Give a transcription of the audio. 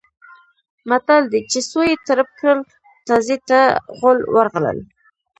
متل دی: چې سویې ترپ کړل تازي ته غول ورغلل.